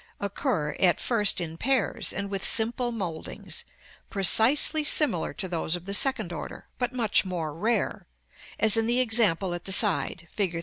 occur, at first in pairs, and with simple mouldings, precisely similar to those of the second order, but much more rare, as in the example at the side, Fig.